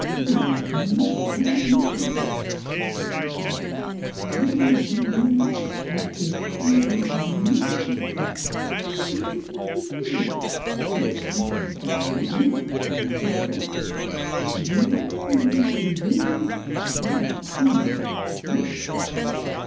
" You aire not of America," she told him kindly. " An' of idiome I perceive you 'ave not es tudy. Eet ees pitie. I teach you some nize sl ang w'at. You like to learn joli bad form eh?"